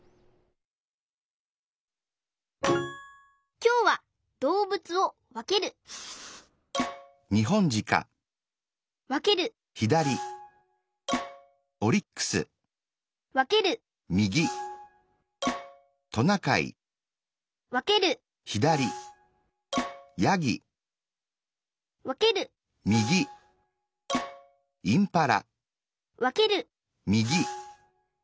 きょうはどうぶつをわけるわけるわけるわけるわけるわける